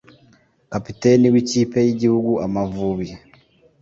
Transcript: Kapiteni w’ikipe y’igihugu Amavubi